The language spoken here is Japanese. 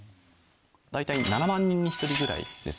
大体７万人に１人ぐらいですね。